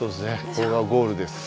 ここがゴールです。